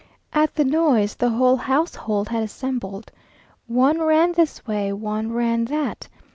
At the noise the whole household had assembled. One ran this way, one ran that.